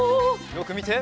よくみて。